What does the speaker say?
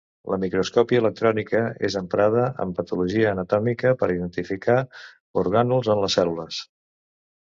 La microscòpia electrònica és emprada en patologia anatòmica per identificar orgànuls en les cèl·lules.